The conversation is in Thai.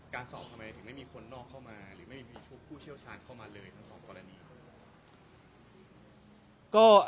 สอบทำไมถึงไม่มีคนนอกเข้ามาหรือไม่มีชุดผู้เชี่ยวชาญเข้ามาเลยทั้งสองกรณี